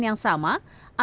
yang selalu diperlukan